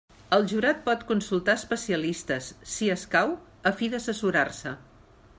El jurat pot consultar especialistes, si escau, a fi d'assessorar-se.